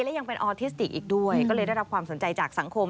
และยังเป็นออทิสติกอีกด้วยก็เลยได้รับความสนใจจากสังคม